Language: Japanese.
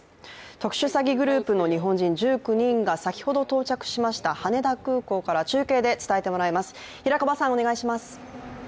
特殊詐欺グループの日本人１９人が先ほど到着しました羽田空港から中継で伝えてもらいます。